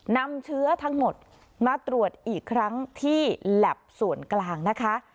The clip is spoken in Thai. นำเชื้อทั้งหมดมาตรวจอีกครั้งที่แล็บส่วนกลางนะคะ